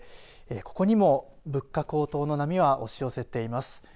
ここにも物価高騰の波は押し寄せています。